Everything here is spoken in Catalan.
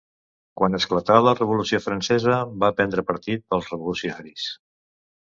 Quan esclatà la Revolució Francesa va prendre partit pels revolucionaris.